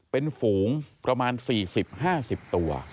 เป็นฝูงประมาณ๔๐๕๐ตัว